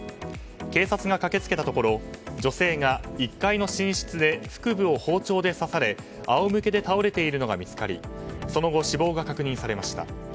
警察が駆け付けたところ女性が１階の寝室で腹部を包丁で刺され、あおむけで倒れているのが見つかりその後、死亡が確認されました。